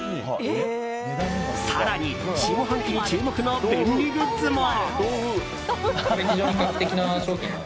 更に、下半期に注目な便利グッズも。